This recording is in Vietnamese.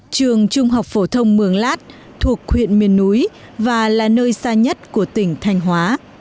trường trung học phổ thông mường lát thuộc huyện miền núi và là nơi xa nhất của tỉnh thanh hóa